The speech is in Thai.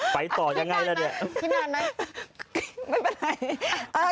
ไปต่อยังไงล่ะเนี่ย